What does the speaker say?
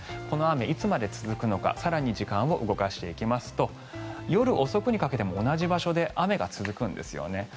この雨、いつまで続くのか更に時間を動かしていきますと夜遅くにかけても同じ場所で雨が続くんですよね。